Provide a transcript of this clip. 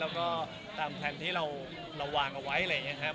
แล้วก็ตามแพลนที่เราวางเอาไว้อะไรอย่างนี้ครับ